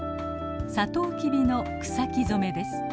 サトウキビの草木染めです。